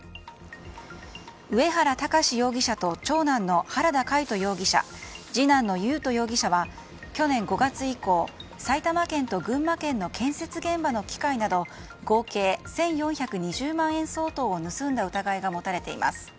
上原巌容疑者と長男の原田魁人容疑者次男の優斗容疑者は去年５月以降埼玉県と群馬県の建設現場の機械など合計１４２０万円を盗んだ疑いが持たれています。